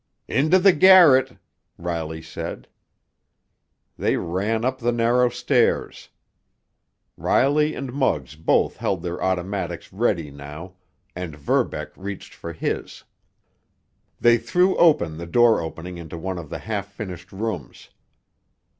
"Into the garret!" Riley said. They ran up the narrow stairs. Riley and Muggs both held their automatics ready now, and Verbeck reached for his. They threw open the door opening into one of the half finished rooms.